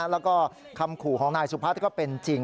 แล้วก็คำขู่ของนายสุพัฒน์ก็เป็นจริง